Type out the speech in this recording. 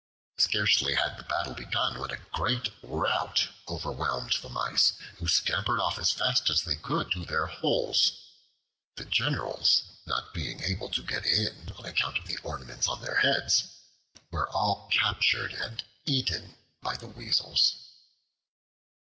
Scarcely had the battle begun, when a great rout overwhelmed the Mice, who scampered off as fast as they could to their holes. The generals, not being able to get in on account of the ornaments on their heads, were all captured and eaten by the Weasels.